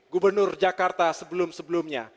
gubernur jakarta sebelum sebelumnya